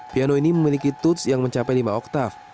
piano ini memiliki toots yang mencapai lima oktav